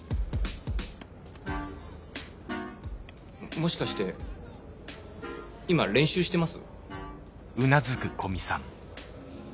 もしかして今練習してます？